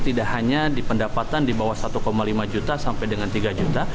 tidak hanya di pendapatan di bawah satu lima juta sampai dengan tiga juta